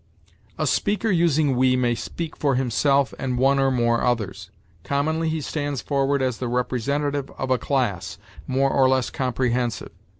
"A speaker using 'we' may speak for himself and one or more others; commonly he stands forward as the representative of a class, more or less comprehensive.